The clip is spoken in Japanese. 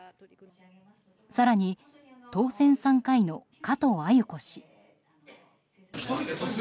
更に、当選３回の加藤鮎子氏。